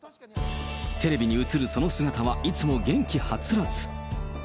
テレビに映るその姿は、いつも元気はつらつ。